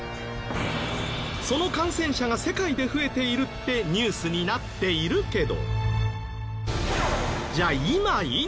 その感染者が世界で増えているってニュースになっているけど。